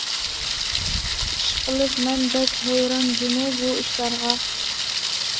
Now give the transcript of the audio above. ئىشقىلىپ، مەن بەك ھەيران جۇمۇ بۇ ئىشلارغا.